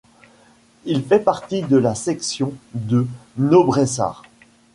Il fait partie de la section de Nobressart.